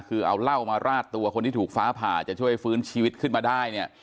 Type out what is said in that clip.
คือเอาเหล้ามาราดตัวคนที่ถูกฟ้าผ่าจะช่วยฟื้นชีวิตขึ้นมาได้เนี่ย